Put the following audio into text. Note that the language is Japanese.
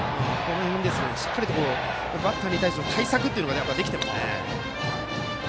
しっかりとバッターに対しての対策ができていますね。